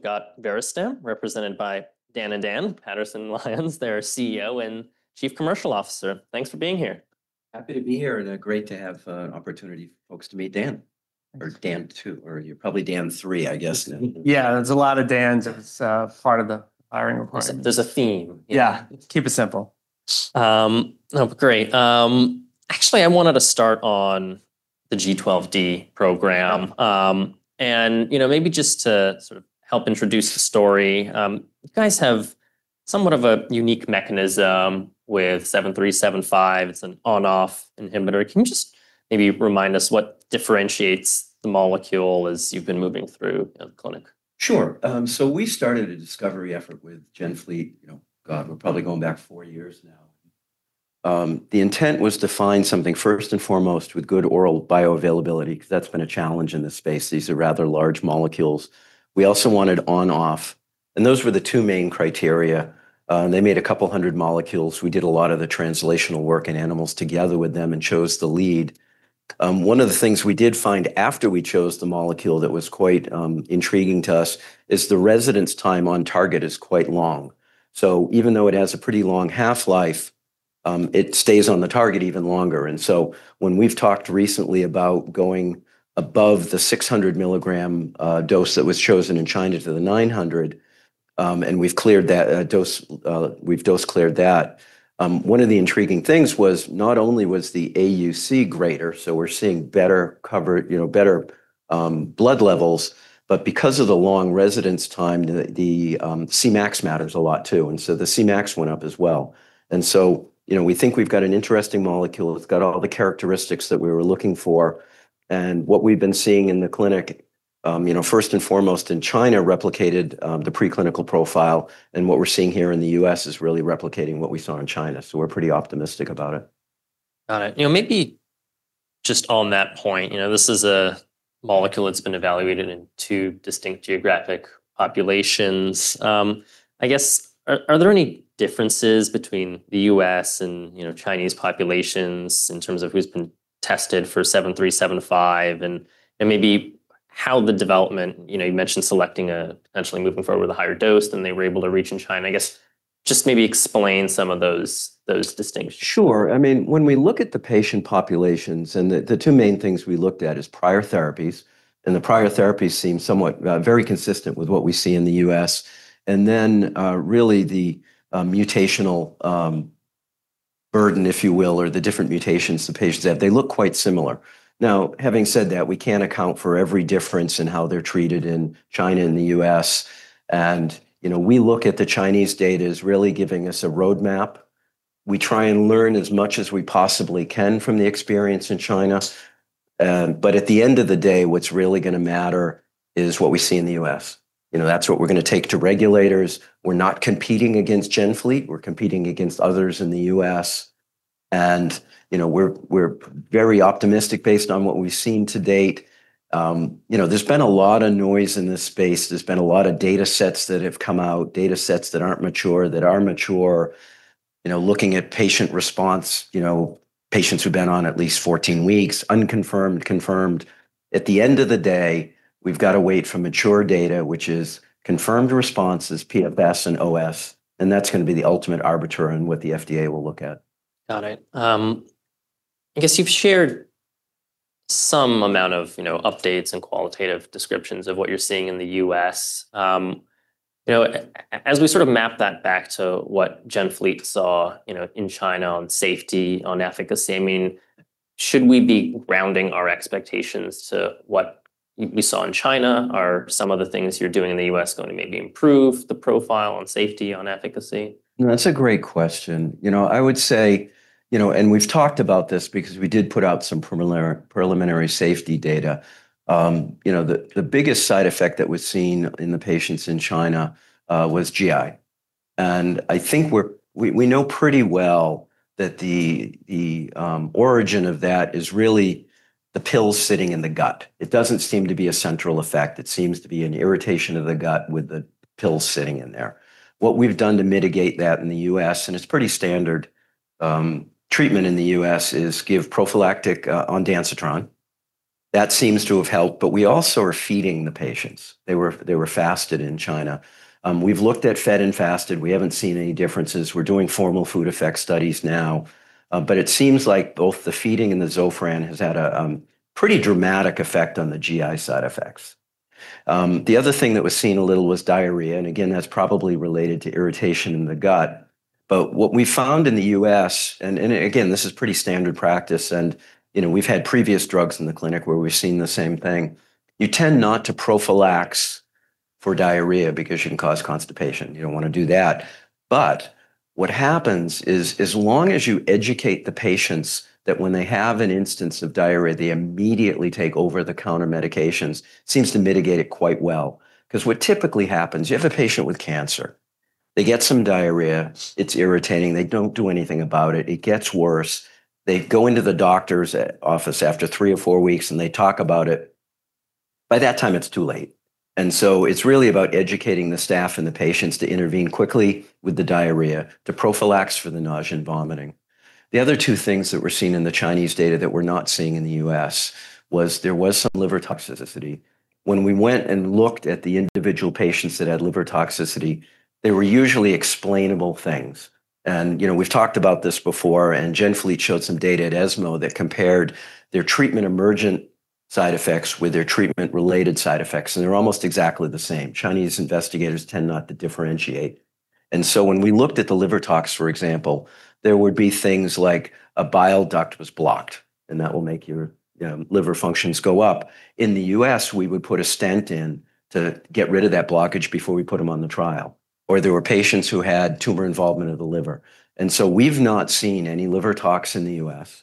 We've got Verastem represented by Dan Paterson and Daniel Lyons, their Chief Executive Officer and Chief Commercial Officer. Thanks for being here. Happy to be here, and great to have an opportunity for folks to meet Dan, or Dan two, or you're probably Dan three, I guess now. Yeah, there's a lot of Dans. It's part of the hiring requirement. There's a theme. Yeah. Keep it simple. Oh, great. Actually, I wanted to start on the G12-D program. Okay. Maybe just to help introduce the story, you guys have somewhat of a unique mechanism with VS-7375. It's an on/off inhibitor. Can you just maybe remind us what differentiates the molecule as you've been moving through the clinic? Sure. We started a discovery effort with GenFleet, God, we're probably going back four years now. The intent was to find something first and foremost with good oral bioavailability, because that's been a challenge in this space. These are rather large molecules. We also wanted on/off, and those were the two main criteria. They made a couple of hundred molecules. We did a lot of the translational work in animals together with them and chose the lead. One of the things we did find after we chose the molecule that was quite intriguing to us is the residence time on target is quite long. Even though it has a pretty long half-life, it stays on the target even longer. When we've talked recently about going above the 600 mg dose that was chosen in China to the 900 mg, we've dose cleared that. One of the intriguing things was not only was the AUC greater, we're seeing better blood levels, but because of the long residence time, the Cmax matters a lot too, the Cmax went up as well. We think we've got an interesting molecule. It's got all the characteristics that we were looking for, and what we've been seeing in the clinic, first and foremost in China replicated, the pre-clinical profile, and what we're seeing here in the U.S. is really replicating what we saw in China. We're pretty optimistic about it. Got it. Maybe just on that point, this is a molecule that's been evaluated in two distinct geographic populations. I guess, are there any differences between the U.S. and Chinese populations in terms of who's been tested for VS-7375, and maybe how the development, you mentioned selecting potentially moving forward with a higher dose than they were able to reach in China. I guess, just maybe explain some of those distinctions. Sure. When we look at the patient populations, the two main things we looked at is prior therapies, and the prior therapies seem very consistent with what we see in the U.S. Really the mutational burden, if you will, or the different mutations the patients have, they look quite similar. Having said that, we can't account for every difference in how they're treated in China and the U.S. We look at the Chinese data as really giving us a roadmap. We try and learn as much as we possibly can from the experience in China. At the end of the day, what's really going to matter is what we see in the U.S. That's what we're going to take to regulators. We're not competing against GenFleet. We're competing against others in the U.S. We're very optimistic based on what we've seen to date. There's been a lot of noise in this space. There's been a lot of data sets that have come out, data sets that aren't mature, that are mature, looking at patient response, patients who've been on at least 14 weeks, unconfirmed, confirmed. At the end of the day, we've got to wait for mature data, which is confirmed responses, PFS, and OS, and that's going to be the ultimate arbiter in what the FDA will look at. Got it. I guess you've shared some amount of updates and qualitative descriptions of what you're seeing in the U.S. As we map that back to what GenFleet saw in China on safety, on efficacy, should we be grounding our expectations to what we saw in China? Are some of the things you're doing in the U.S. going to maybe improve the profile on safety, on efficacy? That's a great question. I would say, and we've talked about this because we did put out some preliminary safety data. The biggest side effect that was seen in the patients in China, was GI. I think we know pretty well that the origin of that is really the pill sitting in the gut. It doesn't seem to be a central effect. It seems to be an irritation of the gut with the pill sitting in there. What we've done to mitigate that in the U.S., and it's pretty standard, treatment in the U.S. is give prophylactic ondansetron. That seems to have helped, but we also are feeding the patients. They were fasted in China. We've looked at fed and fasted. We haven't seen any differences. We're doing formal food effect studies now. It seems like both the feeding and the ZOFRAN has had a pretty dramatic effect on the GI side effects. The other thing that was seen a little was diarrhea, and again, that's probably related to irritation in the gut. What we found in the U.S., and again, this is pretty standard practice, and we've had previous drugs in the clinic where we've seen the same thing. You tend not to prophylax for diarrhea because you can cause constipation. You don't want to do that. What happens is as long as you educate the patients that when they have an instance of diarrhea, they immediately take over-the-counter medications, seems to mitigate it quite well. What typically happens, you have a patient with cancer, they get some diarrhea, it's irritating, they don't do anything about it. It gets worse. They go into the doctor's office after three or four weeks, and they talk about it. By that time, it's too late. It's really about educating the staff and the patients to intervene quickly with the diarrhea, to prophylax for the nausea and vomiting. The other two things that were seen in the Chinese data that we're not seeing in the U.S. was there was some liver toxicity. When we went and looked at the individual patients that had liver toxicity, they were usually explainable things. We've talked about this before, and GenFleet showed some data at ESMO that compared their treatment emergent side effects with their treatment-related side effects, and they're almost exactly the same. Chinese investigators tend not to differentiate. When we looked at the liver tox, for example, there would be things like a bile duct was blocked, and that will make your liver functions go up. In the U.S., we would put a stent in to get rid of that blockage before we put them on the trial. There were patients who had tumor involvement of the liver. We've not seen any liver tox in the U.S.,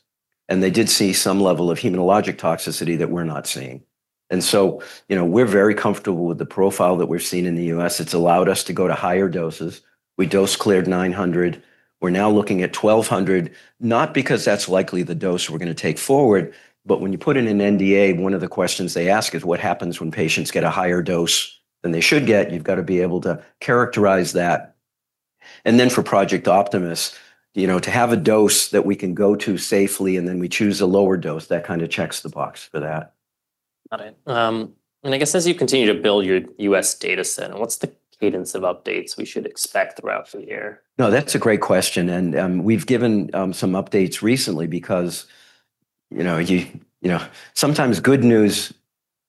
and they did see some level of hematologic toxicity that we're not seeing. We're very comfortable with the profile that we're seeing in the U.S. It's allowed us to go to higher doses. We dose-cleared 900. We're now looking at 1,200, not because that's likely the dose we're going to take forward, but when you put in an NDA, one of the questions they ask is what happens when patients get a higher dose than they should get. You've got to be able to characterize that. For Project Optimus, to have a dose that we can go to safely and then we choose a lower dose, that kind of checks the box for that. Got it. I guess as you continue to build your U.S. data set, what's the cadence of updates we should expect throughout the year? No, that's a great question, and we've given some updates recently because sometimes good news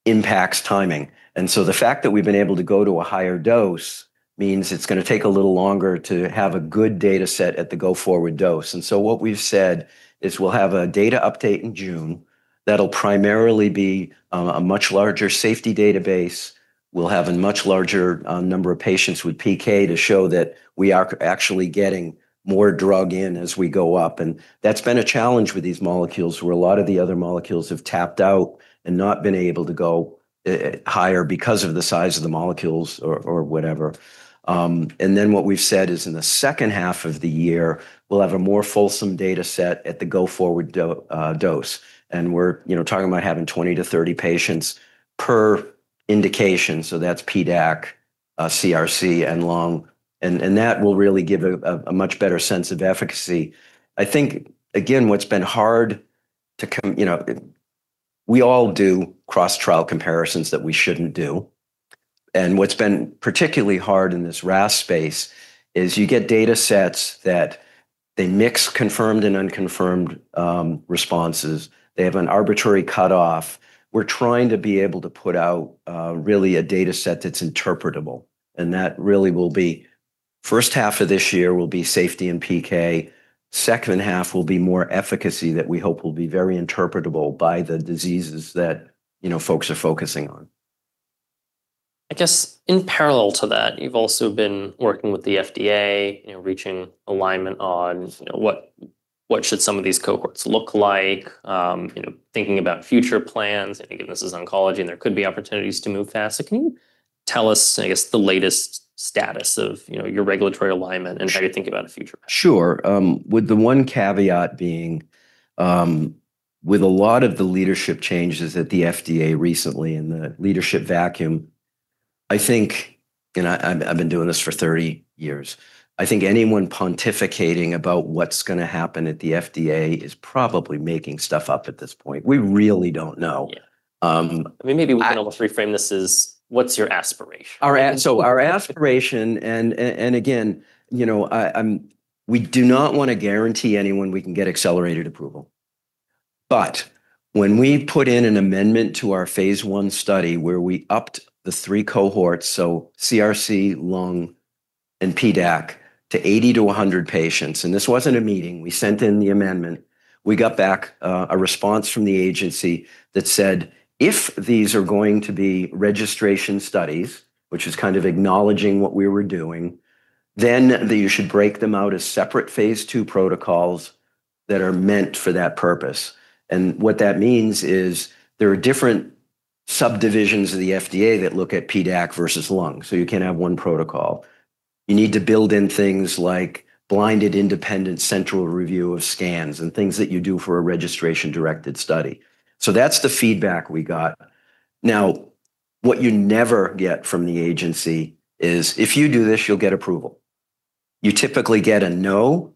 impacts timing. The fact that we've been able to go to a higher dose means it's going to take a little longer to have a good data set at the go-forward dose. What we've said is we'll have a data update in June that'll primarily be a much larger safety database. We'll have a much larger number of patients with PK to show that we are actually getting more drug in as we go up, and that's been a challenge with these molecules where a lot of the other molecules have tapped out and not been able to go higher because of the size of the molecules or whatever. What we've said is in the second half of the year, we'll have a more fulsome data set at the go-forward dose. We're talking about having 20-30 patients per indication. That's PDAC, CRC, and lung. That will really give a much better sense of efficacy. I think, again, we all do cross-trial comparisons that we shouldn't do. What's been particularly hard in this RAS space is you get data sets that they mix confirmed and unconfirmed responses. They have an arbitrary cutoff. We're trying to be able to put out really a data set that's interpretable, and that really will be first half of this year will be safety and PK. Second half will be more efficacy that we hope will be very interpretable by the diseases that folks are focusing on. I guess in parallel to that, you've also been working with the FDA, reaching alignment on what should some of these cohorts look like, thinking about future plans. I think if this is oncology, and there could be opportunities to move fast. Can you tell us, I guess, the latest status of your regulatory alignment and how you think about a future? Sure. With the one caveat being, with a lot of the leadership changes at the FDA recently and the leadership vacuum, I think, and I've been doing this for 30 years, I think anyone pontificating about what's going to happen at the FDA is probably making stuff up at this point. We really don't know. Yeah. Maybe we can almost reframe this as what's your aspiration? Our aspiration, and again, we do not want to guarantee anyone we can get accelerated approval. When we put in an amendment to our phase I study where we upped the three cohorts, CRC, lung, and PDAC to 80-100 patients, and this wasn't a meeting. We sent in the amendment. We got back a response from the agency that said, "If these are going to be registration studies," which is kind of acknowledging what we were doing, "then you should break them out as separate phase II protocols that are meant for that purpose." What that means is there are different subdivisions of the FDA that look at PDAC versus lung. You can't have one protocol. You need to build in things like blinded independent central review of scans and things that you do for a registration-directed study. That's the feedback we got. What you never get from the agency is, "If you do this, you'll get approval." You typically get a no,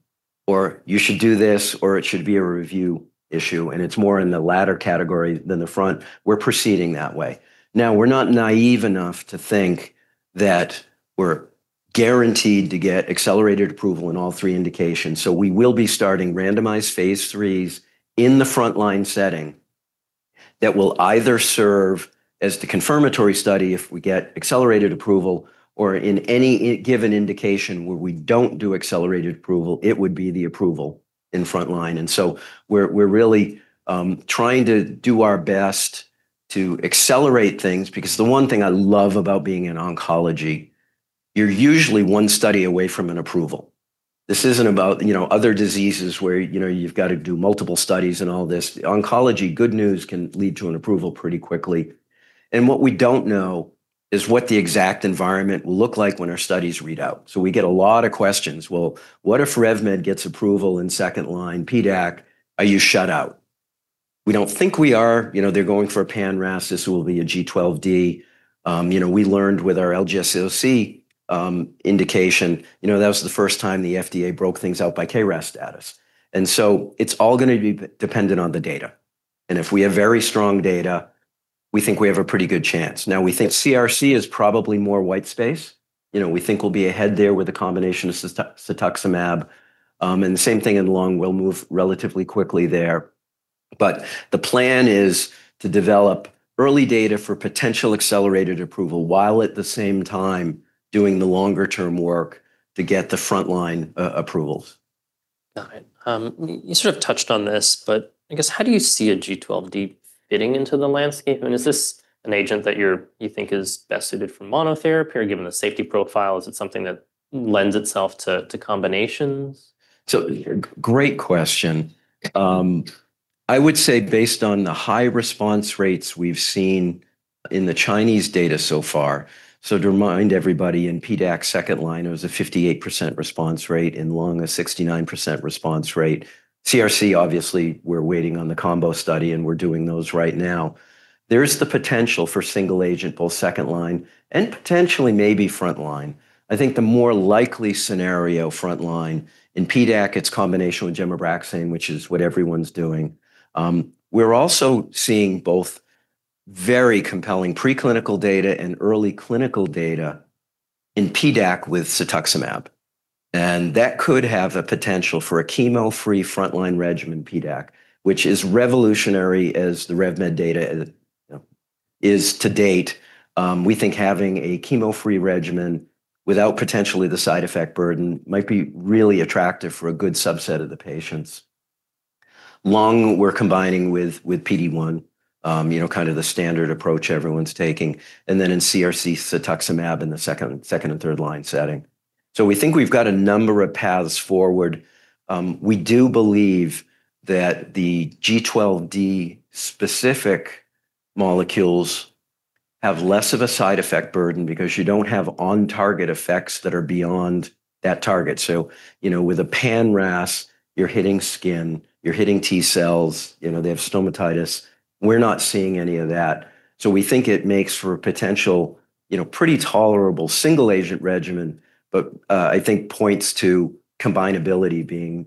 or you should do this, or it should be a review issue, and it's more in the latter category than the front. We're proceeding that way. We're not naive enough to think that we're guaranteed to get accelerated approval in all three indications, so we will be starting randomized phase III in the frontline setting that will either serve as the confirmatory study if we get accelerated approval, or in any given indication where we don't do accelerated approval, it would be the approval in frontline. We're really trying to do our best to accelerate things because the one thing I love about being in oncology, you're usually one study away from an approval. This isn't about other diseases where you've got to do multiple studies and all this. Oncology, good news can lead to an approval pretty quickly. What we don't know is what the exact environment will look like when our studies read out. We get a lot of questions. "Well, what if RevMed gets approval in second-line PDAC? Are you shut out?" We don't think we are. They're going for a pan-RAS. This will be a G12D. We learned with our LGSC indication. That was the first time the FDA broke things out by KRAS status. It's all going to be dependent on the data. If we have very strong data, we think we have a pretty good chance. We think CRC is probably more white space. We think we'll be ahead there with a combination of cetuximab, and the same thing in lung. We'll move relatively quickly there. The plan is to develop early data for potential accelerated approval, while at the same time doing the longer term work to get the frontline approvals. Got it. You sort of touched on this, but I guess, how do you see a G12D fitting into the landscape? Is this an agent that you think is best suited for monotherapy, or given the safety profile, is it something that lends itself to combinations? Great question. I would say based on the high response rates we've seen in the Chinese data so far. To remind everybody, in PDAC second line, it was a 58% response rate, in lung, a 69% response rate. CRC, obviously, we're waiting on the combo study, and we're doing those right now. There is the potential for single agent, both second line and potentially maybe frontline. I think the more likely scenario frontline, in PDAC, it's combination with gemcitabine, which is what everyone's doing. We're also seeing both very compelling preclinical data and early clinical data in PDAC with cetuximab, and that could have a potential for a chemo-free frontline regimen PDAC, which is revolutionary as the RevMed data is to date. We think having a chemo-free regimen without potentially the side effect burden might be really attractive for a good subset of the patients. Lung, we're combining with PD-1, kind of the standard approach everyone's taking. In CRC, cetuximab in the second and third line setting. We think we've got a number of paths forward. We do believe that the G12D specific molecules have less of a side effect burden because you don't have on-target effects that are beyond that target. With a pan-RAS, you're hitting skin, you're hitting T cells, they have stomatitis. We're not seeing any of that. We think it makes for a potential pretty tolerable single agent regimen, but I think points to combinability being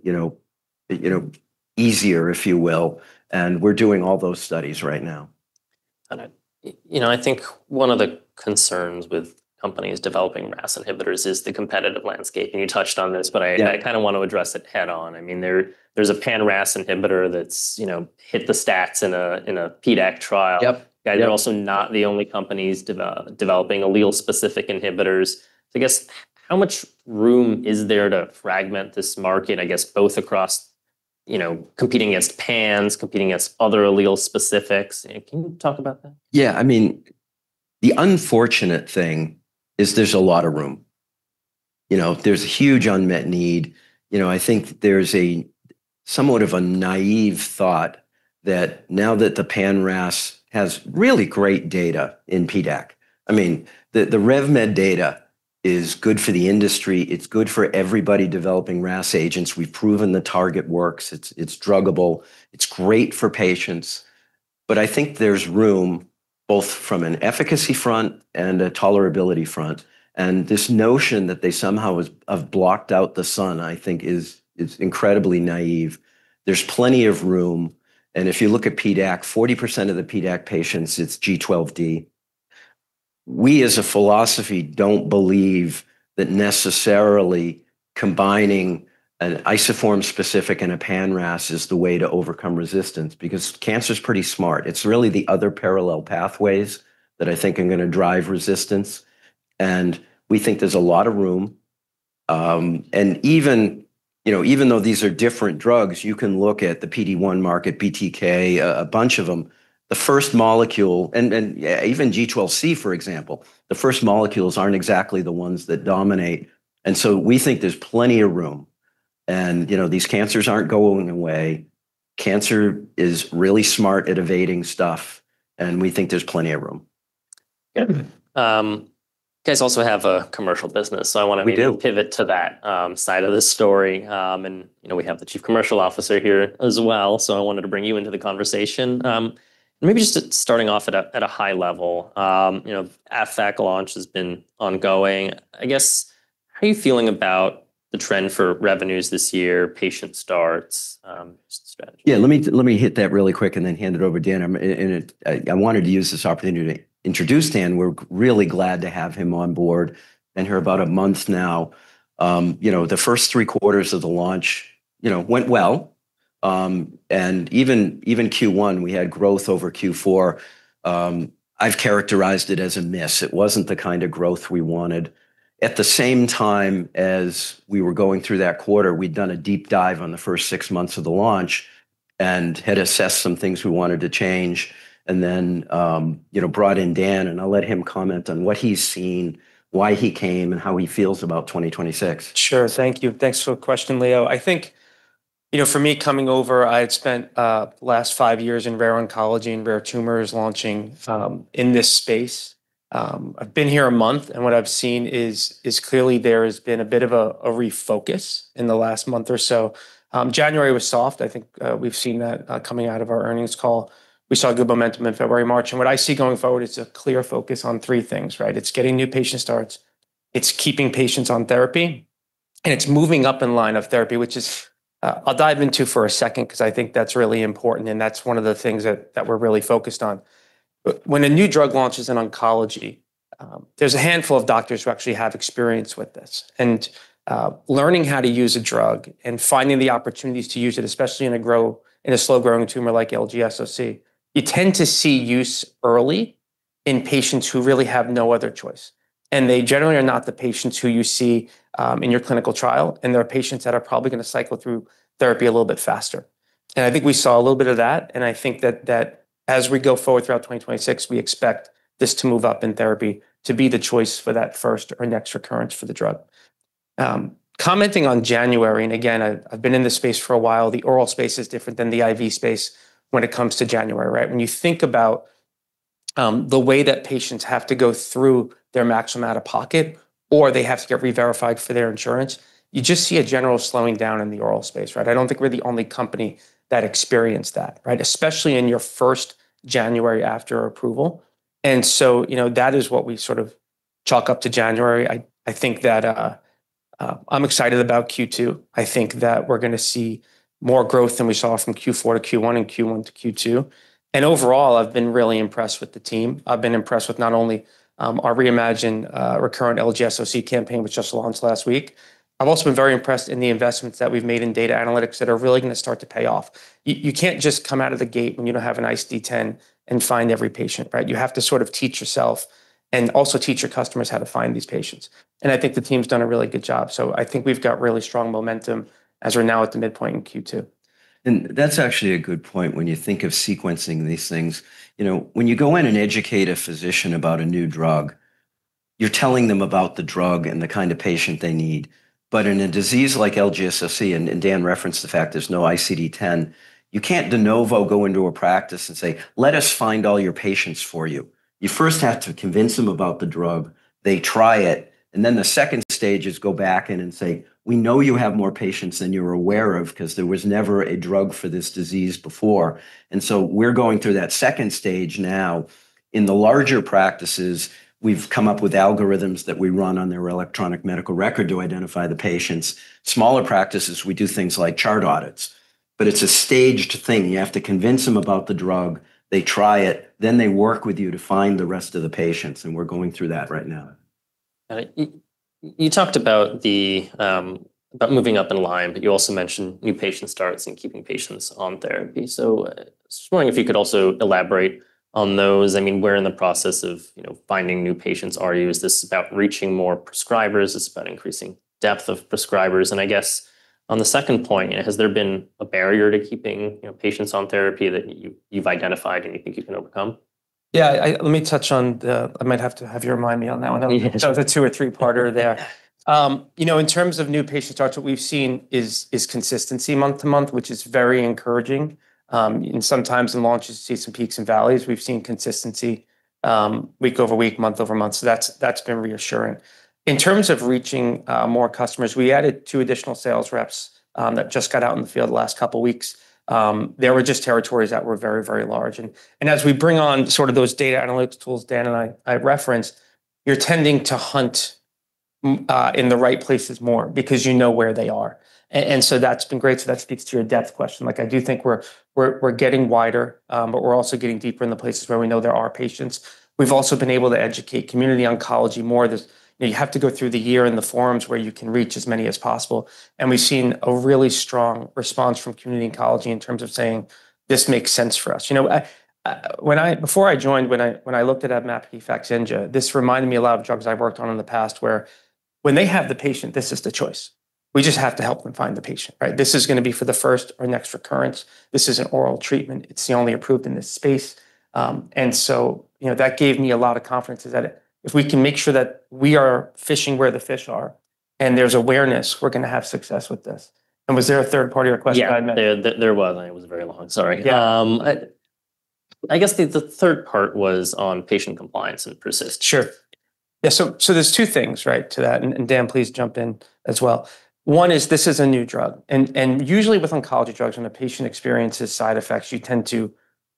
easier, if you will, and we're doing all those studies right now. Got it. I think one of the concerns with companies developing RAS inhibitors is the competitive landscape, and you touched on this. Yeah. kind of want to address it head on. There's a pan-RAS inhibitor that's hit the stacks in a PDAC trial. Yep. You're also not the only companies developing allele-specific inhibitors. I guess, how much room is there to fragment this market, I guess both across competing against pans, competing against other allele specifics? Can you talk about that? Yeah. The unfortunate thing is there's a lot of room. There's a huge unmet need. I think there's somewhat of a naive thought that now that the pan-RAS has really great data in PDAC. The RevMed data is good for the industry. It's good for everybody developing RAS agents. We've proven the target works. It's druggable. It's great for patients. I think there's room both from an efficacy front and a tolerability front, and this notion that they somehow have blocked out the sun, I think is incredibly naive. There's plenty of room, and if you look at PDAC, 40% of the PDAC patients, it's G12D. We, as a philosophy, don't believe that necessarily combining an isoform specific and a pan-RAS is the way to overcome resistance, because cancer's pretty smart. It's really the other parallel pathways that I think are going to drive resistance, and we think there's a lot of room. Even though these are different drugs, you can look at the PD-1 market, BTK, a bunch of them. The first molecule, even G12C, for example, the first molecules aren't exactly the ones that dominate. We think there's plenty of room. These cancers aren't going away. Cancer is really smart at evading stuff, and we think there's plenty of room. Yeah. You guys also have a commercial business. We do. I want to maybe pivot to that side of the story. We have the Chief Commercial Officer here as well. I wanted to bring you into the conversation. Maybe just starting off at a high level. Avmapki Fakzynja launch has been ongoing. I guess, how are you feeling about the trend for revenues this year, patient starts, just strategy? Yeah, let me hit that really quick and then hand it over to Dan. I wanted to use this opportunity to introduce Dan. We're really glad to have him on board. Been here about a month now. The first three quarters of the launch went well. Even Q1, we had growth over Q4. I've characterized it as a miss. It wasn't the kind of growth we wanted. At the same time as we were going through that quarter, we'd done a deep dive on the first six months of the launch and had assessed some things we wanted to change, then brought in Dan, and I'll let him comment on what he's seen, why he came, and how he feels about 2026. Sure. Thank you. Thanks for the question, Leo. I think for me coming over, I had spent last five years in rare oncology and rare tumors, launching in this space. I've been here a month, what I've seen is clearly there has been a bit of a refocus in the last month or so. January was soft. I think we've seen that coming out of our earnings call. We saw good momentum in February, March. What I see going forward, it's a clear focus on three things. It's getting new patient starts, it's keeping patients on therapy. It's moving up in line of therapy, which is I'll dive into for a second because I think that's really important, and that's one of the things that we're really focused on. When a new drug launches in oncology, there's a handful of doctors who actually have experience with this. Learning how to use a drug and finding the opportunities to use it, especially in a slow-growing tumor like LGSC, you tend to see use early in patients who really have no other choice. They generally are not the patients who you see in your clinical trial, and they are patients that are probably going to cycle through therapy a little bit faster. I think we saw a little bit of that, and I think that as we go forward throughout 2026, we expect this to move up in therapy to be the choice for that first or next recurrence for the drug. Commenting on January, and again, I've been in this space for a while, the oral space is different than the IV space when it comes to January, right? When you think about the way that patients have to go through their maximum out-of-pocket, or they have to get re-verified for their insurance, you just see a general slowing down in the oral space, right? I don't think we're the only company that experienced that, right? Especially in your first January after approval. That is what we sort of chalk up to January. I think that I'm excited about Q2. I think that we're going to see more growth than we saw from Q4 to Q1 and Q1 to Q2. Overall, I've been really impressed with the team. I've been impressed with not only our reimagined recurrent LGSC campaign, which just launched last week. I've also been very impressed in the investments that we've made in data analytics that are really going to start to pay off. You can't just come out of the gate when you don't have an ICD-10 and find every patient, right? You have to sort of teach yourself and also teach your customers how to find these patients, and I think the team's done a really good job. I think we've got really strong momentum as we're now at the midpoint in Q2. That's actually a good point when you think of sequencing these things. When you go in and educate a physician about a new drug, you're telling them about the drug and the kind of patient they need. In a disease like LGSC, Dan referenced the fact there's no ICD-10, you can't de novo go into a practice and say, "Let us find all your patients for you." You first have to convince them about the drug. They try it, the second stage is go back in and say, "We know you have more patients than you're aware of because there was never a drug for this disease before." We're going through that second stage now. In the larger practices, we've come up with algorithms that we run on their electronic medical record to identify the patients. Smaller practices, we do things like chart audits. It's a staged thing. You have to convince them about the drug. They try it. They work with you to find the rest of the patients, and we're going through that right now. Got it. You talked about moving up in line, but you also mentioned new patient starts and keeping patients on therapy. Just wondering if you could also elaborate on those. Where in the process of finding new patients are you? Is this about reaching more prescribers? Is this about increasing depth of prescribers? I guess on the second point, has there been a barrier to keeping patients on therapy that you've identified and you think you can overcome? Yeah. Let me touch on the I might have to have you remind me on that one. Yeah. The two or three parter there. In terms of new patient starts, what we've seen is consistency month to month, which is very encouraging. Sometimes in launches, you see some peaks and valleys. We've seen consistency week over week, month over month. That's been reassuring. In terms of reaching more customers, we added two additional sales reps that just got out in the field the last couple of weeks. They were just territories that were very, very large. As we bring on those data analytics tools Dan and I referenced, you're tending to hunt in the right places more because you know where they are. That's been great. That speaks to your depth question. I do think we're getting wider, but we're also getting deeper in the places where we know there are patients. We've also been able to educate community oncology more. You have to go through the year in the forums where you can reach as many as possible. We've seen a really strong response from community oncology in terms of saying, "This makes sense for us." Before I joined, when I looked at Avmapki Fakzynja, this reminded me a lot of drugs I've worked on in the past where when they have the patient, this is the choice. We just have to help them find the patient, right? This is going to be for the first or next recurrence. This is an oral treatment. It's the only approved in this space. That gave me a lot of confidence is that if we can make sure that we are fishing where the fish are and there's awareness, we're going to have success with this. Was there a third part of your question that I missed? Yeah. There was, and it was very long. Sorry. Yeah. I guess the third part was on patient compliance and persist. Sure. Yeah. There's two things, right, to that, and Dan, please jump in as well. One is this is a new drug, and usually with oncology drugs, when a patient experiences side effects, you tend to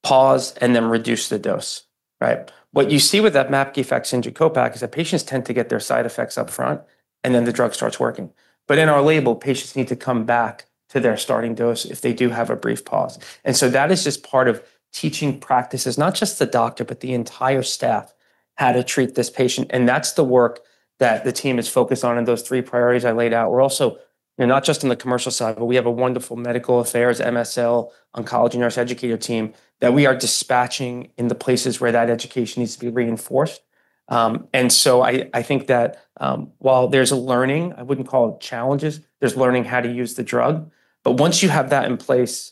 pause and then reduce the dose, right? What you see with Avmapki Fakzynja co-pack is that patients tend to get their side effects up front, and then the drug starts working. In our label, patients need to come back to their starting dose if they do have a brief pause. That is just part of teaching practices, not just the doctor, but the entire staff how to treat this patient, and that's the work that the team is focused on in those three priorities I laid out. We're also not just in the commercial side, but we have a wonderful medical affairs, MSL, oncology nurse educator team that we are dispatching in the places where that education needs to be reinforced. I think that while there's a learning, I wouldn't call it challenges, there's learning how to use the drug. Once you have that in place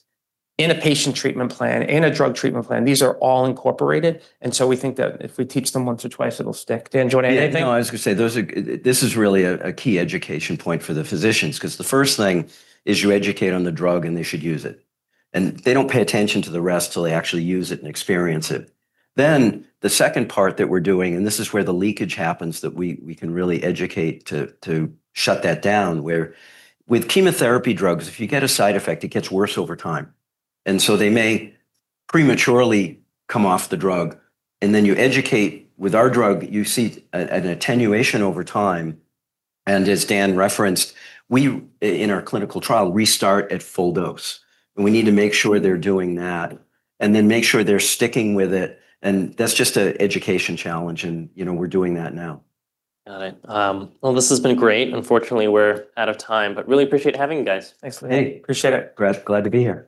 in a patient treatment plan, in a drug treatment plan, these are all incorporated. We think that if we teach them once or twice, it'll stick. Dan, do you want to add anything? Yeah. No, I was going to say, this is really a key education point for the physicians because the first thing is you educate on the drug, and they should use it. They don't pay attention to the rest till they actually use it and experience it. The second part that we're doing, and this is where the leakage happens, that we can really educate to shut that down, where with chemotherapy drugs, if you get a side effect, it gets worse over time. They may prematurely come off the drug, and then you educate with our drug, you see an attenuation over time. As Dan referenced, we, in our clinical trial, restart at full dose, and we need to make sure they're doing that and then make sure they're sticking with it, and that's just an education challenge, and we're doing that now. Got it. Well, this has been great. Unfortunately, we're out of time, but really appreciate having you guys. Thanks. Hey. Appreciate it. Brad, glad to be here.